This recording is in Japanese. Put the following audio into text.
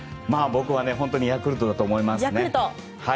僕は本当にヤクルトだと思います。